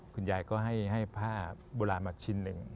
คุณยายก็ให้ผ้าโบราณมาชิ้นหนึ่ง